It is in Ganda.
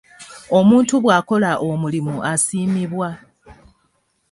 Omuntu bw'akola omulimu asiimibwa.